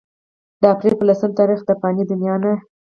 د اپريل پۀ لسم تاريخ د فاني دنيا نه